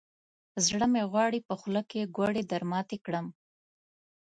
زړه مې غواړي، په خوله کې ګوړې درماتې کړم.